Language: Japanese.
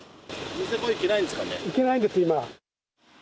行けないんです、今。